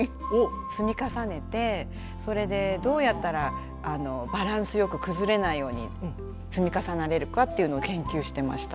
積み重ねてそれでどうやったらバランスよく崩れないように積み重ねられるかっていうのを研究してました。